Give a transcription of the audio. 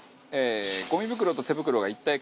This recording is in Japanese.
ゴミ袋と手袋が一体化。